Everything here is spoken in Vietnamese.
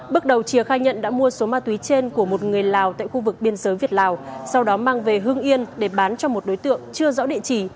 bước đầu chìa khai nhận đã mua số ma túy trên của một người lào tại khu vực biên giới việt lào sau đó mang về hương yên để bán cho một đối tượng chưa rõ địa chỉ